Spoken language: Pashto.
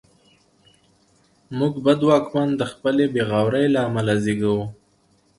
موږ بد واکمن د خپلې بېغورۍ له امله زېږوو.